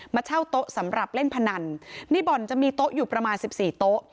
เช่าโต๊ะสำหรับเล่นพนันในบ่อนจะมีโต๊ะอยู่ประมาณสิบสี่โต๊ะ